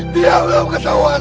dia belum ketahuan